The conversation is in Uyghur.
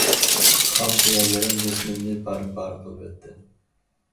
خام خىياللىرىم جىسمىمنى پارە- پارە قىلىۋەتتى.